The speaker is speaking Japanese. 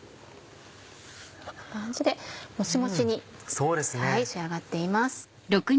こんな感じでモチモチに仕上がっています。